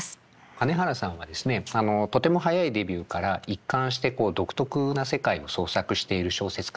金原さんはですねとても早いデビューから一貫して独特な世界を創作している小説家です。